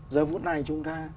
giờ phút này chúng ta